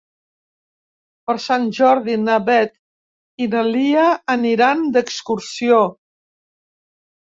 Per Sant Jordi na Beth i na Lia aniran d'excursió.